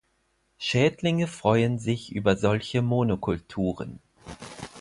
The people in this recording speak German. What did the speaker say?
Schädlinge freuen sich über solche Monokulturen.